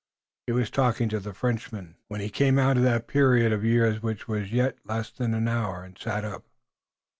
He was talking to the Frenchman when he came out of that period of years which was yet less than an hour, and sat up.